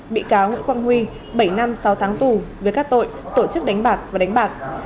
bị cáo nguyễn quang huy bảy năm sáu tháng tù về các tội tổ chức đánh bạc và đánh bạc